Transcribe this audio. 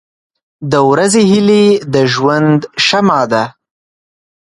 • د ورځې هیلې د ژوند شمع ده.